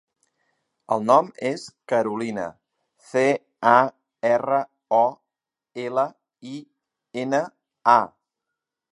El nom és Carolina: ce, a, erra, o, ela, i, ena, a.